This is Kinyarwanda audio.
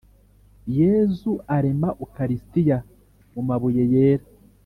yezu arema ukaristiya mumabuye yera